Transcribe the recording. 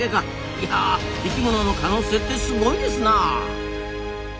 いや生きものの可能性ってすごいですな！